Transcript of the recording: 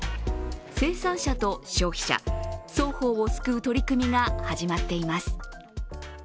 生産者と消費者、双方を救う取り組みが始まっています。